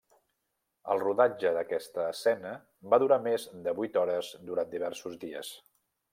El rodatge d'aquesta escena va durar més de vuit hores durant diversos dies.